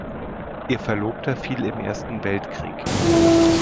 Ihr Verlobter fiel im Ersten Weltkrieg.